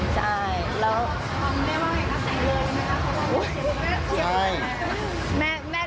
ใช่แล้ว